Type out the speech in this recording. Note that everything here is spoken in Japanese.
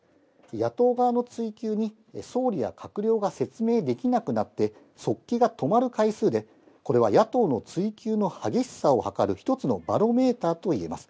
野党側の追及に総理や閣僚が説明できなくなって、速記が止まる回数で、これは野党の追及の激しさをはかる一つのバロメーターといえます。